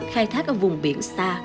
khai thác ở vùng biển xa